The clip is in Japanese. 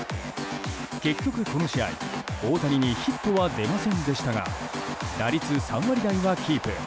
結局この試合、大谷にヒットは出ませんでしたが打率３割はキープ。